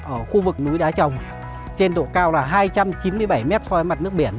ở khu vực núi đá trồng trên độ cao là hai trăm chín mươi bảy mét so với mặt nước biển